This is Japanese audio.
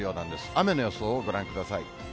雨の予想をご覧ください。